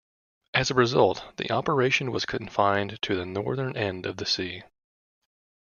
As a result, the operation was confined to the northern end of the sea.